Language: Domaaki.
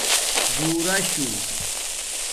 بݻرشہ